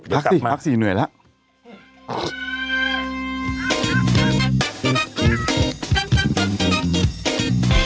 พักสิพักสี่เหนื่อยแล้ว